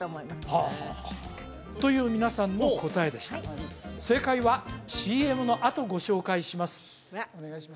はあはあはあはあという皆さんの答えでした正解はＣＭのあとご紹介します